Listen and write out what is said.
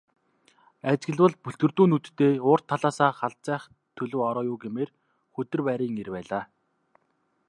Ажиглавал бүлтгэрдүү нүдтэй урд талаасаа халзайх төлөв ороо юу гэмээр, хүдэр байрын эр байлаа.